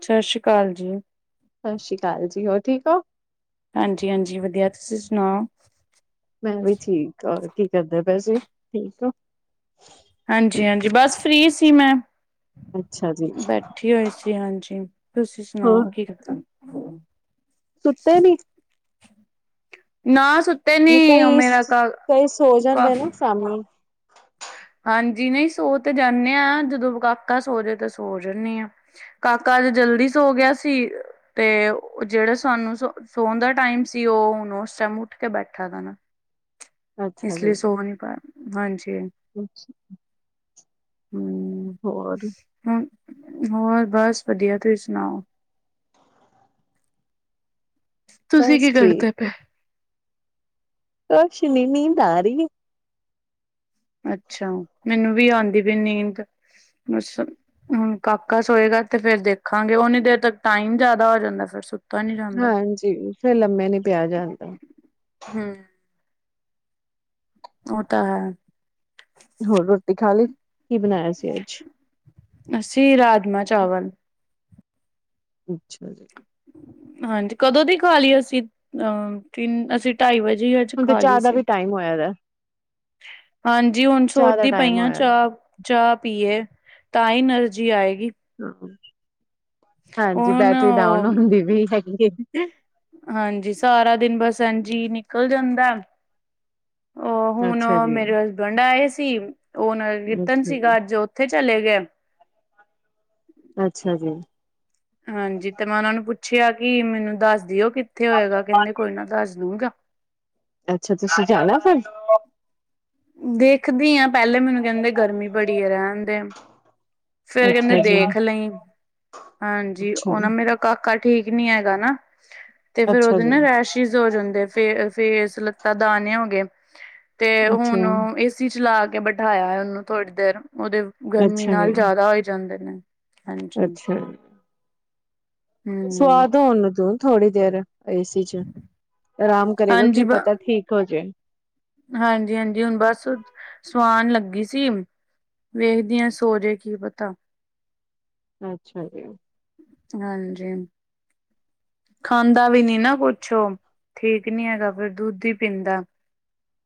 ਸਤਿ ਸ਼੍ਰੀ ਅਕਾਲ ਜੀ। ਸਤਿ ਸ਼੍ਰੀ ਅਕਾਲ ਜੀ, ਹੋਰ ਠੀਕ ਹੋ। ਹਾਂਜੀ-ਹਾਂਜੀ ਵਧੀਆ ਤੁਸੀਂ ਸੁਣਾਓ? ਮੈਂ ਵੀ ਠੀਕ ਠਾਕ, ਕੀ ਕਰਦੇ ਪਏ ਸੀ ਠਿਕੋ। ਹਾਂਜੀ-ਹਾਂਜੀ ਬਸ ਫ੍ਰੀ ਸੀ ਮੈਂ। ਅੱਛਾ ਜੀ, ਬੈਠੀ ਹੋਈ ਸੀ ਹਾਂਜੀ, ਤੁਸੀਂ ਸੁਣਾਓ ਹੋਰ ਕੀ ਕਰਦੇ ਸੁੱਤੇ ਨੀ? ਨਾ ਸੁੱਤੇ ਨੀ, ਉਹ ਕਈ ਮੇਰਾ ਘਰ ਕਈ ਸੋ ਜਾਂਦੇ ਕਾਫ, ਨਾ ਸ਼ਾਮੀ। ਹਾਂਜੀ, ਨਹੀਂ ਸੋ ਤੇ ਜਾਂਣੇ ਹਾਂ ਜਦੋਂ ਕਾਕਾ ਸੋਜੇ ਤੇ ਸੋ ਜਾਣਿਆ। ਕਾਕਾ ਅੱਜ ਜਲਦੀ ਸੋ ਗਿਆ ਸੀ। ਤੇ ਜਿਹੜਾ ਸਾਨੂੰ ਸ ਸੋਣ ਦਾ ਟਾਈਮ ਸੀ, ਉਹ ਹੁਣ ਉਸ ਟਾਈਮ ਉੱਠ ਕੇ ਬੈਠਾ ਦਾ ਨਾ। ਅੱਛਾ ਇਸ ਜੀ, ਲਈ ਸੋ ਨੀ ਪਾਇਆ ਹਾਂਜੀ ਅੱਛਾ ਹੋਰ, ਹੂੰ, ਹੋਰ ਬਸ ਵਧੀਆ ਤੁਸੀਂ ਸੁਣਾਓ? ਤੁਸੀਂ ਬਸ ਕੀ ਠੀਕ, ਕਰਦੇ ਪਏ? ਕੁਛ ਨਹੀਂ ਨੀਂਦ ਆ ਰਹੀਏ। ਅੱਛਾ, ਮੈਨੂੰ ਵੀ ਆਉਂਦੀ ਪਈ ਨੀਂਦ, ਵੈਸੇ ਹੁਣ ਕਾਕਾ ਸੋਏਗਾ ਤੇ ਫੇਰ ਦੇਖਾਂਗੇ ਓਨੀ ਦੇਰ ਤੱਕ ਟਾਈਮ ਜਿਆਦਾ ਹੋ ਜਾਂਦਾ ਫਿਰ ਸੋ ਹਾਂਜੀ, ਫਿਰ ਲੰਮੇ ਨੀ ਪਿਆ ਜਾਂਦਾ। ਹੂੰ, ਉਹ ਤਾ ਹੈ। ਹੋਰ ਰੋਟੀ ਖਾ ਲਈ, ਕੀ ਬਣਾਇਆ ਸੀ ਅੱਜ? ਅਸੀਂ ਰਾਜਮਾਂ ਚਾਵਲ। ਅੱਛਾ ਜੀ। ਹਾਂਜੀ ਕਦੋ ਦੀ ਖਾ ਲਈ ਅਸੀਂ ਅਹ ਤਿੰਨ ਅਸੀਂ ਢਾਈ ਵਜੇ ਹੀ ਅੱਜ ਹੁਣ ਤੇ ਖਾਲੀ ਚਾਹ ਦਾ ਸੀ। ਵੀ ਟਾਈਮ ਹੋਇਆ ਦਾ, ਹਾਂਜੀ ਹੁਣ ਚਾਹ ਦਾ ਸੋਚਦੀ ਟਾਈਮ ਪਈਆਂ ਹੋਇਆ ਦਾ। ਚਾਹ, ਚਾਹ ਪੀਏ ਤਾਂ ਹੀ ਐਨਰਜੀ ਆਏਗੀ। ਹਾਂਜੀ, ਹੁਣ ਬੈਟਰੀ ਡਾਊਨ ਹੁੰਦੀ ਵੀ ਹੈਗੀ ਏ। ਹਾਂਜੀ ਸਾਰਾ ਦਿਨ ਬਸ ਐੰਝ ਹੀ ਨਿਕਲ ਜਾਂਦਾ। ਉਹ ਹੁਣ ਅੱਛਾ ਜੀ। ਮੇਰੇ ਹਸਬੈਂਡ ਆਏ ਸੀ ਉਹ ਨਗਰ ਕੀਰਤਨ ਅੱਛਾ ਸੀਗਾ ਜੀ, ਅੱਜ ਓ ਉੱਥੇ ਚਲੇ ਗਏ। ਅੱਛਾ ਜੀ। ਹਾਂਜੀ ਤੇ ਮੈਂ ਉਹਨਾਂ ਨੂੰ ਪੁੱਛਿਆ ਕਿ ਮੈਨੂੰ ਦੱਸ ਦਿਓ ਕਿੱਥੇ ਹੋਏਗਾ ਕਹਿੰਦੇ ਕੋਈ ਨਾ ਦੱਸ ਦੂਗਾ। ਅੱਛਾ, ਤੁਸੀਂ ਜਾਣਾ ਫੇਰ? ਦੇਖਦੀ ਹਾਂ ਪਹਿਲੇ ਮੈਨੂੰ ਕਹਿੰਦੇ ਗਰਮੀ ਬੜੀ ਹੈ ਰਹਿਣ ਦੇ। ਫੇਰ ਕਹਿੰਦੇ ਅੱਛਾ ਜੀ ਦੇਖ ਲਈ, ਹਾਂਜੀ ਅੱਛਾ ਉਹ ਨਾ ਮੇਰਾ ਕਾਕਾ ਠੀਕ ਨੀ ਹੈਗਾ ਨਾ, ਤੇ ਫੇਰ ਅੱਛਾ ਉਹਦੇ ਜੀ ਨਾ ਰੈਸ਼ ਰੈਸ਼ਿਜ਼ ਹੋ ਜਾਂਦੇ ਫੇ ਫੇਸ ਲੱਤਾ ਦਾਣੇ ਹੋ ਗਏ ਤੇ ਹੁਣ ਅੱਛਾ ਏਸੀ ਚਲਾ ਕੇ ਬਿਠਾਇਆ ਹੈ ਉਹਨੂੰ ਥੋੜੀ ਦੇਰ ਉਹਦੇ ਗਰਮੀ ਅੱਛਾ ਜੀ ਨਾਲ ਜਿਆਦਾ ਹੋਈ ਜਾਂਦੇ ਨੇ। ਹਾਂਜੀ ਅੱਛਾ। ਹੂੰ। ਸਵਾ ਦੋ ਓੁਹਨੂੰ ਤੂੰ ਥੋੜੀ ਦੇਰ ਏਸੀ ਚ ਆਰਾਮ ਕਰੇਗਾ ਕੀ ਪਤਾ ਠੀਕ ਹੋ ਜੇ। ਹਾਂਜੀ-ਹਾਂਜੀ, ਹੁਣ ਬਸ ਸੁਵਾਣ ਲੱਗੀ ਸੀ। ਵੇਖਦੀਆਂ ਸੋਜੇ ਕੀ ਪਤਾ। ਅੱਛਾ ਜੀ। ਹਾਂਜੀ। ਖਾਂਦਾ ਵੀ ਨੀ ਨਾ ਕੁਛ ਓ ਠੀਕ ਨੀ ਹੈਗਾ ਫੇਰ ਦੁੱਧ ਈ ਪੀਂਦਾ।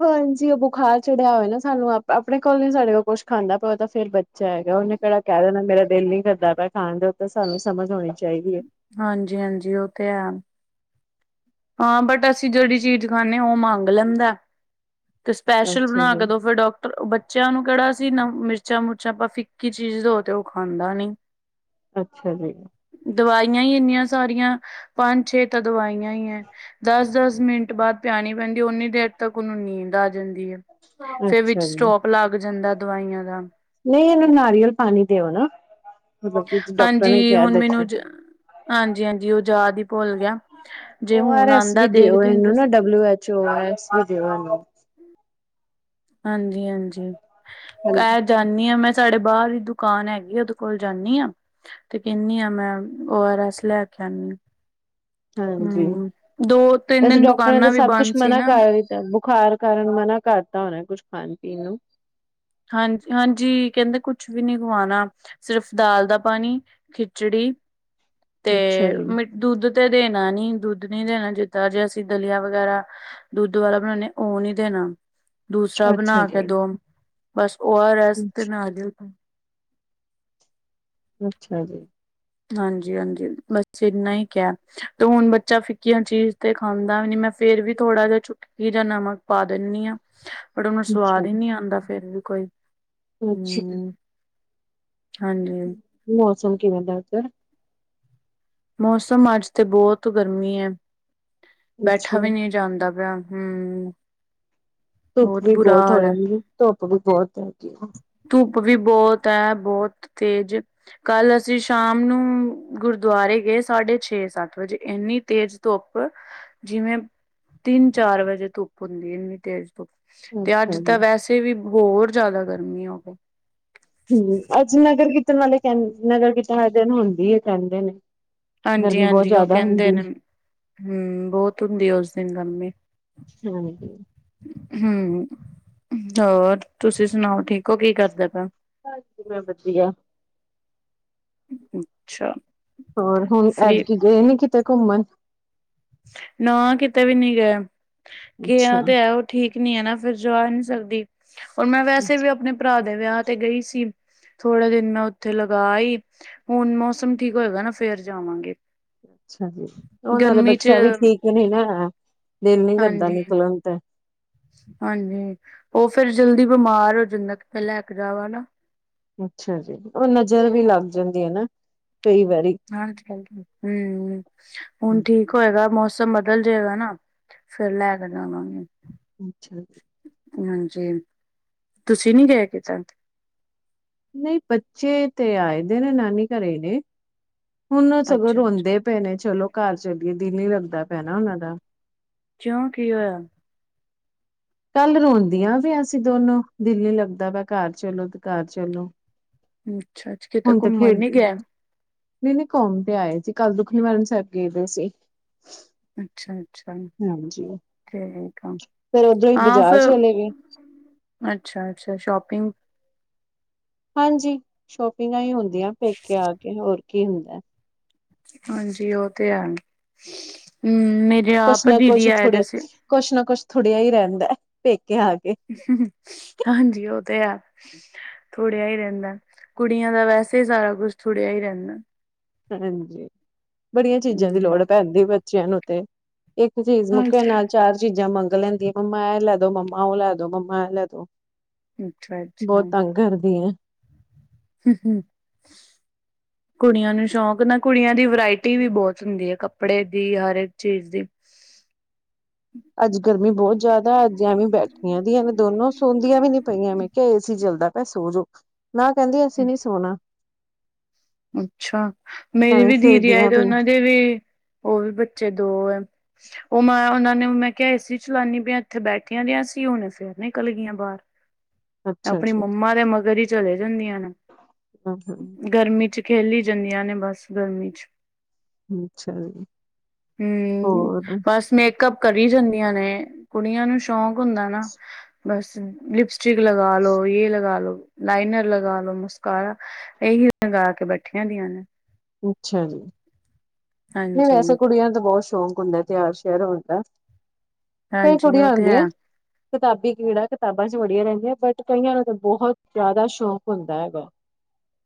ਹਾਂਜੀ ਓ ਬੁਖਾਰ ਚੜੇਆ ਹੋਵੇ ਨਾ ਸਾਨੂੰ ਆਪ ਆਪਣੇ ਕੋਲ ਨੀ ਸਾਡੇ ਕੋਲ ਕੁਛ ਖਾਂਦਾ ਓ ਤਾਂ ਫੇਰ ਬ ਬੱਚਾ ਹੈਗਾ ਓਨੇ ਕੇੜਾ ਕੈ ਦੇਣਾ ਮੇਰਾ ਦਿਲ ਨੀ ਕਰਦਾ ਪੇਆ ਖਾਨ ਦਾ ਉੱਤੇ ਸਾਨੂੰ ਸਮਝ ਹੋਣੀ ਚਾਈਦੀ ਏ। ਹਾਂਜੀ-ਹਾਂਜੀ ਓ ਤੇ ਐ। ਹਾਂ ਬਟ ਅਸੀਂ ਜੇੜੀ ਚੀਜ਼ ਖਾਂਨੇ ਓ ਮੰਗ ਲੈਂਦਾ। ਤੇ ਸਪੈਸ਼ਲ ਅੱਛਾ ਬਣਾ ਜੀ ਕੇ ਦੋ ਫੇਰ ਡਾਕ ਟਰ ਬੱਚੇਆਂ ਨੂੰ ਕੇੜਾ ਅਸੀ ਨਾ ਮਿਰਚਾਂ ਮੁਰਚਾਂ ਆਪਾਂ ਫਿੱਕੀ ਚੀਜ਼ ਦੋ ਤੇ ਓ ਖਾਂਦਾ ਨੀ। ਅੱਛਾ ਜੀ। ਦਵਾਈਆਂ ਈ ਇੰਨੀਆਂ ਸਾਰੀਆਂ ਪੰਜ-ਛੇ ਤਾਂ ਦਵਾਈਆਂ ਈ ਐ। ਦਸ-ਦਸ ਮਿੰਟ ਬਾਦ ਪਿਆਣੀ ਪੈਂਦੀ ਓੁਨੀ ਦੇਰ ਤੱਕ ਓਨੂੰ ਨੀਂਦ ਆ ਜਾਂਦੀ ਐ। ਫੇਰ ਵਿੱਚ ਅੱਛਾ ਸਟੋਪ ਲੱਗ ਜਾਂਦਾ ਦਵਾਈਆਂ ਦਾ। ਨਈ ਏਨੂੰ ਨਾਰੀਅਲ ਪਾਨੀ ਦਿਓ ਨਾ ਮਤਲਬ ਕਿ ਡਾਕਟਰ ਨੇ ਹਾਂਜੀ ਕੈ ਹੁਣ ਦਿੱਤਾ ਮੈਨੂੰ ਹਾਂਜੀ ਹਾਂਜੀ ਓ ਜਾਦ ਈ ਭੁੱਲ ਗਿਆ। ਜੇ ਓ ਆਰ ਹੁਣ ਐਸ ਆਉਂਦਾ ਵੀ ਦਿਓ ਦੇਖਦੀ ਏਨੂੰ ਨਾ W H O R S ਵੀ ਦਿਓ ਏਨੂੰ। ਹਾਂਜੀ ਹਾਂਜੀ ਐ ਜਾਨੀ ਆਂ ਮੈਂ ਸਾਡੇ ਬਾਰ ਹੀ ਦੁਕਾਨ ਹੈਗੀ ਐ ਓਦੇ ਕੋਲ ਜਾਂਨੀ ਆਂ। ਤੇ ਕੈਨੀ ਆ ਮੈਂ ਓ ਆਰ ਐਸ ਲੈਕੇ ਆਨੀ ਆ। ਹਾਂਜੀ ਹੂੰ, ਦੋ ਤਿੰਨ ਵੈਸੇ ਦਿਨ ਡਾਕਟਰਾਂ ਨੇ ਤਾਂ ਦੁਕਾਨਾਂ ਵੀ ਸਭ ਕੁਛ ਬੰਦ ਸੀ ਮਨਾ ਨਾ। [unintelligible] ਬੁਖਾਰ ਕਾਰਨ ਮਨਾ ਕਰਤਾ ਹੋਣਾ ਕੁਛ ਖਾਣ ਪੀਣ ਨੂੰ? ਹਾਂ ਹਾਂਜੀ ਕੈਂਦੇ ਕੁਛ ਵੀ ਨੀ ਖਵਾਨਾ। ਸਿਰਫ ਦਾਲ ਦਾ ਪਾਨੀ ਖਿਚੜੀ ਤੇ ਅੱਛਾ ਜੀ ਮਿੱ ਦੁੱਧ ਤੇ ਦੇਨਾ ਨੀ, ਦੁੱਧ ਨੀ ਦੇਨਾ ਜਿੱਦਾਂ ਜੇ ਅਸੀਂ ਦਲੀਆਂ ਵਗੈਰਾ ਦੁੱਧ ਵਾਲਾ ਬਨਾਨੇ ਓ ਨੀ ਦੇਨਾ ਦੂਸਰਾ ਅੱਛਾ ਬਣਾ ਕੇ ਜੀ ਦੋ। ਬਸ ਓ ਆਰ ਐਸ ਤੇ ਅੱਛਾ ਨਾਰੀਅਲ ਪਾਨੀ ਅੱਛਾ ਜੀ। ਹਾਂਜੀ-ਹਾਂਜੀ, ਬਸ ਇੰਨਾ ਈ ਕੇਆ। ਤੇ ਹੁਨ ਬੱਚਾ ਫਿੱਕੀਆਂ ਚੀਜ਼ ਤੇ ਖਾਂਦਾ ਵੀ ਨੀ, ਮੈਂ ਫੇਰ ਵੀ ਥੋੜ੍ਹਾ ਜਿਆ ਚੁੱਟ ਕੀ ਜਾ ਨਮਕ ਪਾ ਦੇਨੀਂ ਆਂ, ਪਰ ਓਨੂੰ ਅੱਛਾ। ਸਵਾਦ ਈ ਨੀ ਆਂਦਾ ਫੇਰ ਵੀ ਕੋਈ। ਅੱਛਾ। ਹਮ ਹਾਂਜੀ। ਮੌਸਮ ਕਿਵੇਂ ਦਾ ਓਧਰ? ਮੌਸਮ, ਅੱਜ ਤੇ ਬੋਤ ਗਰਮੀ ਐ। ਬੈਠਾ ਅੱਛਾ ਵੀ ਨੀਂ ਜਾਂਦਾ ਪਆ, ਹੂੰ। ਧੁੱਪ ਵੀ ਬੋਤ ਹੋ ਹਾਲ ਹੈ ਜਾਂਦੀ, ਧੁੱਪ ਵੀ ਬੋਤ ਹੈਗੀ ਏ। ਧੁੱਪ ਵੀ ਬੋਤ ਐ, ਬੋਤ ਤੇਜ਼। ਕੱਲ ਅਸੀਂ ਸ਼ਾਮ ਨੂੰ ਗੁਰਦੁਆਰੇ ਗਏ ਸਾਢੇ ਛੇ-ਸੱਤ ਵਜੇ, ਏਨੀ ਤੇਜ਼ ਧੁੱਪ, ਜਿਵੇਂ ਤਿੰਨ-ਚਾਰ ਵਜੇ ਧੁੱਪ ਹੁੰਦੀ ਏ, ਇੰਨੀ ਤੇਜ਼ ਧੁੱਪ। ਤੇ ਅੱਛਾ ਅੱਜ ਤਾਂ ਜੀ। ਵੈਸੇ ਵੀ ਹੋਰ ਜਾਦਾ ਗਰਮੀ ਹੋ ਗਈ। ਹੂੰ, ਅੱਜ ਨਗਰ ਕੀਰਤਨ ਵਾਲੇ ਕੈਂ, ਨਗਰ ਕੀਰਤਨ ਵਾਲ਼ੇ ਦਿਨ ਹੁੰਦੀ ਏ, ਕੈਂਦੇ ਨੇ। ਗਰਮੀ ਬਹੁਤ ਹਾਂਜੀ-ਹਾਂਜੀ, ਓ ਜ਼ਿਆਦਾ ਹੁੰਦੀ ਕੈਂਦੇ ਨੇ, ਹੂੰ, ਬੋਤ ਹੁੰਦੀ ਐ ਉਸ ਦਿਨ ਗਰਮੀ। ਹਾਂਜੀ। ਹੂੰ, ਹੋਰ ਤੁਸੀਂ ਸੁਨਾਓ ਠੀਕ ਓ, ਕੀ ਕਰਦੇ ਪਏ ਓ? ਹਾਂਜੀ, ਮੈਂ ਵਧੀਆ। ਅੱਛਾ। ਹੋਰ, ਹੁਣ ਫਰੀ ਐਦਕੀ ਗਏ ਨੀ ਕਿਤੇ ਘੁੰਮਣ? ਨਾ ਕਿਤੇ ਵੀ ਨੀਂ ਗੇ, ਅੱਛਾ ਕਿਆ ਤੇ ਐ ਠੀਕ ਨੀਂ ਐ ਨਾ, ਫਿਰ ਜਾ ਨੀਂ ਸਕਦੀ। ਹੋਰ ਮੈਂ ਵੈਸੇ ਵੀ ਆਪਨੇ ਭਰਾ ਦੇ ਵਿਆਹ ਤੇ ਗਈ ਸੀ। ਥੋੜੇ ਦਿਨ ਮੈਂ ਉੱਥੇ ਲਗਾ ਆਈ, ਹੁਣ ਮੌਸਮ ਠੀਕ ਹੋਏਗਾ ਨਾ ਫੇਰ ਜਾਵਾਂਗੀ। ਅੱਛਾ ਜੀ, ਓ ਨਾਲੇ ਬੱਚਾ ਵੀ ਠੀਕ ਨੀਂ ਨਾ ਹੈ, ਦਿਲ ਨੀਂ ਕਰਦਾ ਹਾਂਜੀ, ਨਿਕਲਣ ਤੇ। ਹਾਂਜੀ, ਓ ਫੇਰ ਜਲਦੀ ਬਿਮਾਰ ਹੋ ਜਾਂਦਾ, ਕਿਤੇ ਲੈ ਕੇ ਜਾਵਾਂ ਨਾ। ਅੱਛਾ ਜੀ, ਓ ਨਜਰ ਵੀ ਲੱਗ ਜਾਂਦੀ ਏ ਨਾ ਕਈਂ ਵਾਰੀ। ਹਾਂਜੀ, ਹਾਂਜੀ, ਹਂ। ਹੁਣ ਠੀਕ ਹੋਏਗਾ, ਮੌਸਮ ਬਦਲ ਜੇਗਾ ਨਾ ਫੇਰ ਲੈ ਕੇ ਜਾਵਾਂਗੀ। ਅੱਛਾ। ਹਾਂਜੀ। ਤੁਸੀਂ ਨੀ ਗਏ ਕਿਤੇ? ਨਈਂ, ਬੱਚੇ ਤੇ ਆਏ ਦੇ ਨੇ ਨਾਨੀ ਘਰੇ ਨੇ, ਹੁਣ ਸਗੋਂ ਅੱਛਾ, ਅੱਛਾ ਰੋਂਦੇ ਪੇ ਨੇਂ। ਚਲੋ ਘਰ ਚਲੀਏ, ਦਿਲ ਨੀਂ ਲੱਗਦਾ ਪਿਆ ਨਾਂ ਓਨਾਂ ਦਾ। ਕਿਯੋਂ ਕੀ ਹੋਇਆ? ਕੱਲ ਰੋਂਦੀਆਂ ਪਈਆਂ ਸੀਂ ਦੋਨੋਂ, ਦਿਲ ਨੀਂ ਲੱਗਦਾ ਪਯਾ ਘਰ ਚਲੋ ਤੇ ਘਰ ਚਲੋ। ਅੱਛਾ, ਅੱਛ, ਕਿਤੇ ਘੁੰਮਣ ਨੀਂ ਗੈ? ਨਈਂ ਨਈਂ, ਘੋਮ ਤੇ ਆਏ ਸੀ। ਕੱਲ ਦੁਖ ਨਿਵਾਰਨ ਸਾਹਿਬ ਗਏ ਦੇ ਸੀ। ਅੱਛਾ-ਅੱਛਾ, ਹਾਂਜੀ ਠੇਕ ਆ। ਫੇਰ ਉਧਰੋਂ ਹੀ ਹਾਂ ਬਾਜ਼ਾਰ ਫਿਰ ਚਲੇ ਗਏ ਅੱਛਾ-ਅੱਛਾ, ਸ਼ੋਪਿੰਗ ਹਾਂਜੀ, ਸ਼ੋਪਿੰਗਾਂ ਈ ਹੁੰਦੀਆਂ ਪੇਕੇ ਆ ਕੇ, ਹੋਰ ਕੀ ਹੁੰਦਾ। ਹਾਂਜੀ ਓ ਤੇ ਹੈ। ਹਂ, ਮੇਰੇ ਕੁਛ ਆਪ ਨਾ ਦੀਦੀ ਕੁਛ ਆਏ ਦੇ ਥੋੜੇ ਸੀ। ਕੁਛ ਨਾਂ ਕੁੱਛ ਥੁੜਿਆ ਈ ਰੈਂਦਾ, ਪੇਕੇ ਆ ਕੇ। ਹਂ, ਹਾਂਜੀ। ਓ ਤੇ ਹੈ। ਥੁੜਿਆ ਈ ਰੈਂਦਾ। ਕੁੜੀਆਂ ਦਾ ਵੈਸੇ ਈ ਸਾਰਾ ਕੁਛ ਥੁੜਿਆ ਈ ਰੈਂਦਾ। ਹਾਂਜੀ, ਬੜੀਆਂ ਚੀਜ਼ਾਂ ਦੀ ਲੋੜ ਐ ਹਮ। ਭੈਂਜੀ ਬੱਚਿਆਂ ਨੂੰ ਤੇ। ਇੱਕ ਚੀਜ਼ ਮੁੱਕੇ ਹਾਂਜੀ। ਨਾਲ ਚਾਰ ਚੀਜ਼ਾਂ ਮੰਗ ਲੈਂਦੀਆਂ, ਮੰਮਾ ਐ ਲੈ ਦੋ, ਮੰਮਾ ਓ ਲੈ ਦੋ, ਮੰਮਾ ਐ ਲੈ ਦੋ। ਅੱਛਾ ਬੋਤ ਅੱਛਾ ਤੰਗ ਕਰਦੀਆਂ ਐਂ। ਹਂ, ਹਂ। [inaudible] ਕੁੜੀਆਂ ਨੂੰ ਸ਼ੌਂਕ ਨਾ ਕੁੜੀਆਂ ਦੀ ਵਰਾਇਟੀ ਵੀ ਬੋਤ ਹੁੰਦੀ ਐ ਕੱਪੜੇ ਦੀ, ਹਰ ਇੱਕ ਚੀਜ਼ ਦੀ। ਅੱਜ ਗਰਮੀ ਬੋਤ ਜ਼ਿਆਦਾ, ਅੱਜ ਐਵੇਂ ਬੈਠੀਆਂ ਦੀਆਂ ਨੇ ਦੋਨੋਂ। ਸੋਦੀਆਂ ਵੀ ਨੀ ਪਈਆਂ ਮੈਂ ਕਿਆ ਏ ਸੀ ਚਲਦਾ ਪਿਆ ਸੋ ਜੋੋ। ਨਾਂ ਕੈਂਦੀਆਂ ਅਸੀਂ ਨੀ ਸੋਣਾਂ। ਅੱਛਾ, ਮੇਰੀ ਐਵੇਂ ਵੀ ਦੀਦੀ ਆਏ ਫੇਰਦੀਆਂ ਤੇ ਓਨਾਂ ਪਈਆਂ ਦੇ ਵੀ ਓ ਵੀ ਬੱਚੇ ਦੋ ਐ। ਓ ਮੈਂ ਓਨਾਂ ਨੇ ਮੈਂ ਕਿਆ ਏ ਸੀ ਚਲਾਨੀ ਪਈ ਏਥੇ ਬੈਠੀਆਂ ਦੀਆਂ ਸੀ। ਹੁਣੇ ਫੇਰ ਨਿਕਲ਼ ਗਈਆਂ ਬਾਰ। [inaudible] ਆਪਣੀਂ ਜੀ ਮੰਮਾ ਦੇ ਮਗਰ ਈ ਚਲੇ ਜਾਂਦੀਆਂ ਨੇ। ਹਮ ਹਮ ਗਰਮੀ ਚ ਖੇਲੀ ਜਾਂਦੀਆਂ ਨੇ ਬਸ, ਗਰਮੀਂ ਚ। ਅੱਛਾ ਜੀ, ਹਂ, ਹੋਰ ਬਸ ਮੇ ਮੇਕਅੱਪ ਕਰੀਂ ਜਾਂਦੀਆਂ ਨੇ, ਕੁੜੀਆਂ ਨੂੰ ਸ਼ੌਕ ਹੁੰਦਾਂ ਨਾ। ਬਸ ਲਿਪਸਟਿਕ ਲਗਾਂ ਲੋੋ, ਯੇ ਲਗਾਂ ਲੋ, ਲਾਈਨਰ ਲਗਾ ਲੋ, ਮਸਕਾਰਾ ਇੱਹੀ ਲਗਾ ਕੇ ਬੈਠੀਆਂ ਦੀਆਂ ਨੇ। ਅੱਛਾ ਜੀ, ਨਈਂ ਵੈਸੇ ਹਾਂਜੀ। ਕੁੜੀਆਂ ਨੂੰ ਤਾਂ ਬੋਤ ਸ਼ੌਕ ਹੁੰਦਾਂ। ਤਿਆਰ-ਸ਼ਿਆਰ ਹੋਣ ਦਾ। ਕਈ ਹਾਂਜੀ ਕੁੜੀਆਂ ਉਹ ਤੇ ਹੁੰਦੀਆਂ। ਹੈ ਕਿਤਾਬੀ ਕੀੜਾ ਕਿਤਾਬਾਂ ਚ ਵੜੀਆਂ ਰਹਿੰਦੀਆਂ ਬਟ ਕਈਆਂ ਨੂੰ ਤਾਂ ਬਹੁਤ ਜ਼ਿਆਦਾ ਸ਼ੌਂਕ ਹੁੰਦਾ ਹੈਗਾ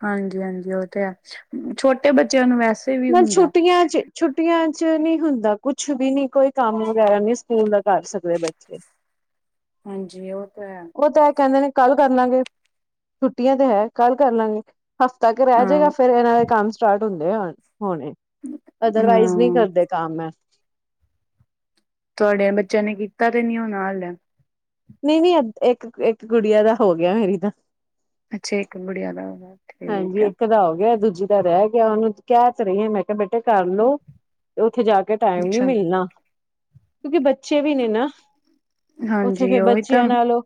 ਹਾਂਜੀ ਹਾਂਜੀ ਉਹ ਤੇ ਹੈ ਛੋਟੇ ਬੱਚਿਆਂ ਨੂੰ ਵੈਸੇ ਵੀ ਨਾਲ ਹੁੰਦਾ ਛੁੱਟੀਆਂ ਚ ਛੁੱਟੀਆਂ ਚ ਨਹੀਂ ਹੁੰਦਾ ਕੁੱਛ ਵੀ ਨੀ ਕੋਈ ਕੰਮ ਵਗੈਰਾ ਨਹੀਂ ਸਕੂਲ ਦਾ ਕਰ ਸਕਦੇ ਬੱਚੇ ਹਾਂਜੀ ਉਹ ਤਾਂ ਹੈ। ਉਹ ਤਾਂ ਇਹ ਕਹਿੰਦੇ ਨੇ ਕੱਲ ਕਰ ਲਾਂਗੇ ਛੁੱਟੀਆਂ ਤੇ ਹੈ ਕੱਲ ਕਰ ਲਾਂਗੇ ਹਫ਼ਤਾ ਕ ਰਹਿ ਹਾਂ ਜਾਏਗਾ ਫਿਰ ਇਹਨਾਂ ਦੇ ਕੰਮ ਸਟਾਰਟ ਹੁੰਦੇ ਹੋਣੇ ਅਦਰਵਾਈਜ਼ ਨਹੀਂ ਹਾਂ ਕਰਦੇ ਕੰਮ ਐ ਤੁਹਾਡੇ ਬੱਚਿਆਂ ਨੇ ਕੀਤਾ ਤੇ ਨੀ ਹੋਣਾ ਹਲੇ ਨਹੀਂ ਨਹੀਂ ਇੱਕ ਇੱਕ ਗੁੜੀਆਂ ਦਾ ਹੋ ਗਿਆ ਮੇਰੀ ਦਾ ਅੱਛਾ ਇੱਕ ਗੁੜੀਆਂ ਦਾ ਹੋ ਗਿਆ। ਹਾਂਜੀ ਇੱਕ ਦਾ ਹੋ ਗਿਆ ਦੂਜੀ ਦਾ ਰਹਿ ਗਿਆ ਉਹਨੂੰ ਕਹਿ ਤੇ ਰਹੀਂ ਮੈਂ ਕਿਹਾ ਬੇਟੇ ਕਰ ਲੋ ਉੱਥੇ ਜਾ ਕੇ ਟਾਈਮ ਨੀ ਅੱਛਾ ਮਿਲਣਾ ਕਿਉਂਕਿ ਬੱਚੇ ਵੀ ਨੇ ਨਾ ਉੱਥੇ ਹਾਂਜੀ ਫਿਰ ਉਹੀ ਤਾਂ ਬੱਚਿਆਂ ਨਾਲ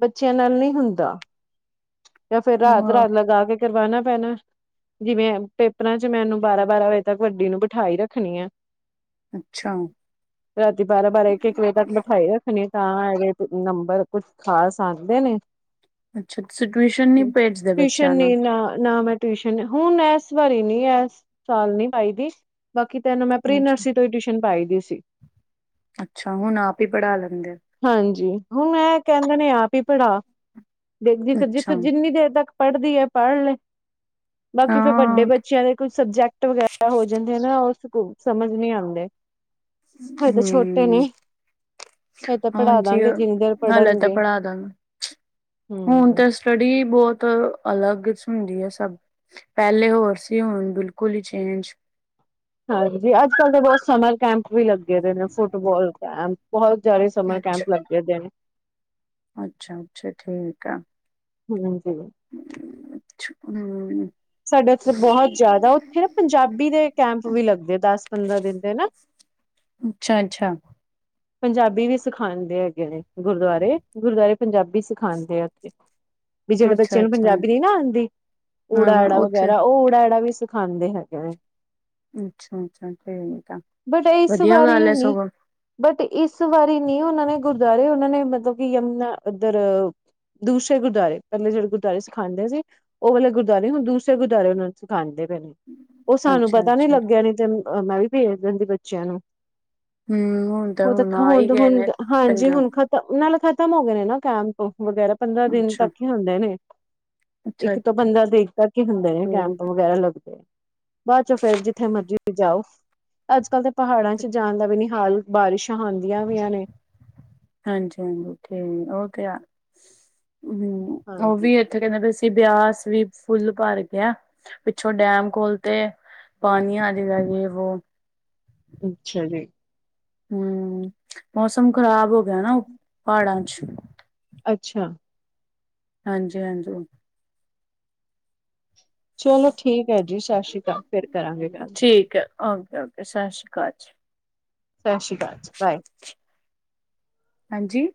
ਬੱਚਿਆਂ ਨਾਲ ਨਹੀਂ ਹੁੰਦਾ ਜਾਂ ਫਿਰ ਰਾਤ ਰਾਤ ਲਗਾਂ ਕੇ ਕਰਵਾਉਣਾ ਪੈਣਾ ਜਿਵੇਂ ਪੇਪਰਾਂ ਚ ਇਹਨੂੰ ਬਾਰਾਂ ਬਾਰਾਂ ਵਜੇ ਤੱਕ ਵੱਡੀ ਨੂੰ ਬਿਠਾਈ ਰੱਖਣੀ ਹੈ। ਅੱਛਾ। ਰਾਤੀ ਬਾਰਾਂ ਬਾਰਾਂ ਇੱਕ ਇੱਕ ਵਜੇ ਤੱਕ ਬਿਠਾਈ ਰੱਖਣੀ ਤਾਂ ਹੈਗੇ ਨੰਬਰ ਕੁੱਛ ਖਾਸ ਆਂਦੇ ਨੇ ਅੱਛਾ ਸਿਚੁਏਸ਼ਨ ਟਿਊਸ਼ਨ ਨਹੀਂ ਨਾ ਨਾ ਮੈਂ ਟਿਊਸ਼ਨ ਹੁਣ ਇਸ ਵਾਰੀਂ ਨੀ ਇਸ ਸਾਲ ਨੀ ਪਾਈਂ ਦੀ ਬਾਕੀ ਤੈਨੂੰ ਮੈਂ ਪ੍ਰੀ ਅੱਛਾ ਨਰਸਰੀ ਤੋਂ ਟਿਊਸ਼ਨ ਪਾਈ ਦੀ ਸੀ। ਅੱਛਾ ਹੁਣ ਆਪ ਹੀ ਪੜਾ ਲੈਂਦੇ ਹਾਂਜੀ ਹੁਣ ਇਹ ਕਹਿੰਦੇ ਨੇ ਆਪ ਹੀ ਪੜਾ ਦੇਖ ਅੱਛਾ ਜਿੱਥੇ ਜਿੰਨੀ ਦੇਰ ਤੱਕ ਪੜਦੀ ਹੈ ਪੜ ਲੇ ਬਾਕੀ ਫਿਰ ਵੱਡੇ ਹਾਂ ਬੱਚਿਆਂ ਦੇ ਕੁੱਝ ਸਬਜੈਕਟ ਵਗੈਰਾ ਹੋ ਜਾਂਦੇ ਨਾ ਉਹ ਸਕੂਲ ਸਮਝ ਨਹੀਂ ਆਉਂਦੇ ਹਜੇ ਤਾਂ ਛੋਟੇ ਨੇ [unintelligible] ਹਜੇ ਤਾਂ ਪੜ੍ਹਾ ਹਾਂਜੀ ਦਾਂਗੇ ਜਿੰਨੀ ਦੇਰ ਹਲੇ ਤਾਂ ਪੜ੍ਹਨਗੇ ਪੜਾ ਦਾਂਗਾ ਹੁਣ ਹਮ ਤੇ ਸਟੱਡੀ ਬਹੁਤ ਅਲੱਗ ਹੁੰਦੀ ਹੈ ਸਭ ਪਹਿਲੇ ਹੋਰ ਸੀ ਹੁਣ ਬਿਲਕੁਲ ਹੀ ਚੇਂਜ ਹਾਂਜੀ ਅੱਜ ਕੱਲ ਤਾਂ ਬਹੁਤ ਸਮਰ ਕੈਂਪ ਵੀ ਲੱਗੇ ਦੇ ਨੇ ਫੁੱਟਬਾਲ ਕੈਂਪ ਬਹੁਤ ਜ਼ਿਆਦੇ ਸਮਰ ਕੈਂਪ ਅੱਛਾ ਲੱਗੇ ਨੇ ਅੱਛਾ ਅੱਛਾ ਠੀਕ ਆਂ [unintelligible] ਹੂੰ,,, ਸਾਡੇ ਉੱਥੇ ਬਹੁਤ ਜ਼ਿਆਦਾ ਉੱਥੇ ਨਾ ਪੰਜਾਬੀ ਦੇ ਕੈਂਪ ਵੀ ਲੱਗੇ ਆ ਦਸ ਪੰਦਰਾਂ ਦਿਨ ਦੇ ਨਾ। [inaudible] ਅੱਛਾ-ਅੱਛਾ। ਪੰਜਾਬੀ ਵੀ ਸਿਖਾਉਂਦੇ ਹੈਗੇ ਨੇ ਗੁਰਦੁਆਰੇ, ਗੁਰਦੁਆਰੇ ਪੰਜਾਬੀ ਸਿਖਾਉਂਦੇ ਆ। ਵੀ ਜਿਹੜੇ ਬੱਚੇ ਨੂੰ ਅੱਛਾ-ਅੱਛਾ, ਪੰਜਾਬੀ ਨਹੀਂ ਨਾ ਆਉਂਦੀ ਊੜਾ ਹਾਂ-ਹਾਂ ਉੱਥੇ ਪੈਰਾ ਉਹ ਉੜਾ - ਐੜਾ ਵੀ ਸਿਖਾਉਂਦੇ ਹੈਗੇ ਨੇ। ਅੱਛਾ-ਅੱਛਾ ਠੀਕ ਆ, ਬਟ ਇਸ ਵਧੀਆ ਵਾਰੀ ਗੱਲ ਹੈ ਨੀ ਸਗੋਂ। ਬਟ, ਇਸ ਵਾਰੀ ਨਹੀਂ ਉਹਨਾਂ ਨੇ ਗੁਰਦੁਆਰੇ, ਉਹਨਾਂ ਨੇ ਮਤਲਬ ਕਿ ਯਮੁਨਾ ਉਧਰ ਦੂਸਰੇ ਗੁਰਦੁਆਰੇ ਪਹਿਲੇ ਜਿਹੜੇ ਗੁਰਦੁਆਰੇ ਸਿਖਉਂਦੇ ਸੀ, ਉਹ ਵਾਲੇ ਗੁਰਦੁਆਰੇ ਦੂਸਰੇ ਗੁਰਦਵਾਰੇ ਉਹਨਾ ਨੂੰ ਸਿਖਾਉਂਦੇ ਪਏ ਨੇ, ਉਹ ਸਾਨੂੰ ਪਤਾ ਨੀ ਅੱਛਾ-ਅੱਛਾ। ਲੱਗਿਆ ਨਹੀਂ ਤੇ ਮੈਂ ਵੀ ਭੇਜ ਦਿੰਦੀ ਬੱਚਿਆਂ ਨੂੰ। ਹੂੰ ਹੁਣ ਉਹ ਤਾਂ ਹੁਣ ਆ ਈ ਗਏ ਹੁਣ-ਹੁਣ ਨੇ ਹਾਂਜੀ ਪੰਜਾਬ ਹੁਣ ਨਾਲ ਖ਼ਤਮ ਹੋ ਗਏ। ਨੇ ਨਾ ਕੈਂਪ ਵਗੈਰਾ ਪੰਦਰਾਂ ਦਿਨ ਤੱਕ ਅੱਛਾ-ਅੱਛਾ ਹੀ ਹੁੰਦੇ ਨੇ। ਇੱਕ ਤੋਂ ਬੰਦਾ ਦੇਖਦਾ ਹੀ ਹੁੰਦੇ। ਨੇ ਕੈਂਪ ਠੀਕ ਵਗੈਰਾ ਲੱਗਦੇ ਬਾਅਦ ਚ, ਫੇਰ ਜਿੱਥੇ ਮਰਜ਼ੀ ਤੇ ਜਾਓ। ਅੱਜ-ਕੱਲ੍ਹ ਤਾਂ ਪਹਾੜਾਂ'ਚ ਜਾਣ ਦਾ ਵੀ ਨੀ ਹਾਲ ਬਾਰਿਸ਼ਾਂ ਆਂਦੀਆਂ ਪਈਆਂ ਨੇ। ਹਾਂਜੀ-ਹਾਂਜੀ, ਉਹ ਤੇ ਹੈ ਹੂ, ਉਹ ਹਾਂਜੀ ਵੀ ਉੱਥੇ ਕਹਿੰਦੇ ਵੀ, ਅਸੀਂ ਬਿਆਸ ਵੀ ਫੁੱਲ ਭਰ ਗਿਆ। ਪਿੱਛੋਂ ਡੈਮ ਖੋਲਤੇ, ਪਾਣੀ ਆ ਜੇਗਾ ਯੇ ਵੋ। ਅੱਛਾ ਜੀ। ਹੂ, ਮੌਸਮ ਖ਼ਰਾਬ ਹੋ ਗਿਆ ਨਾ ਪਹਾੜਾਂ'ਚ, ਅੱਛਾ ਹਾਂਜੀ-ਹਾਂਜੀ। ਚਲੋ ਠੀਕ ਹੈ ਜੀ, ਸਤਿ ਸ਼੍ਰੀ ਅਕਾਲ ਫੇਰ। ਠੀਕ ਆ ਔਕੇ-ਔਕੇ, ਸਤਿ ਸ੍ਰੀ ਅਕਾਲ ਜੀ। ਸਤਿ ਸ਼੍ਰੀ ਅਕਾਲ ਜੀ, ਬਾਏ। ਹਾਂਜੀ